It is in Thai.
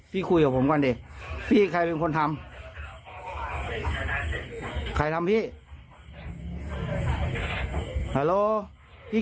คุยกับผมก่อนดิพี่ใครเป็นคนทำใครทำพี่